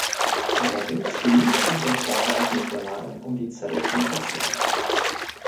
Allerdings genügt dieser Vorgang nicht allein, um die Zelle zu infizieren.